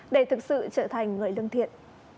để thực sự trở thành người lương thiện